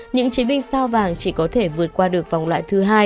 những chiến binh sao vàng chỉ có thể vượt qua được vòng loại thứ hai